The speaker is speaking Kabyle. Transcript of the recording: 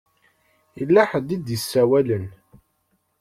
Yella ḥedd i d-isawalen.